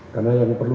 karena yang perlu